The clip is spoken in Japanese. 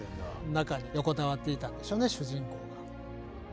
中に横たわっていたんでしょうね主人公が。